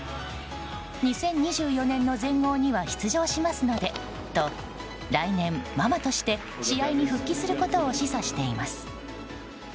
２０２４年の全豪には出場しますのでと来年ママとして、試合に復帰することを示唆しています。